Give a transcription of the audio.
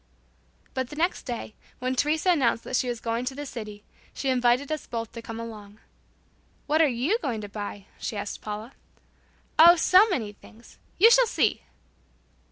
But the next day, when Teresa announced that she was going to the city, she invited us both to come along. "What are you going to buy?" she asked Paula. "Oh, so many things. You shall see!"